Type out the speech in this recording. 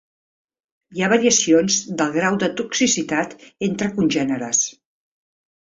Hi ha variacions del grau de toxicitat entre congèneres.